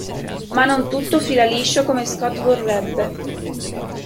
Ma non tutto fila liscio come Scott vorrebbe.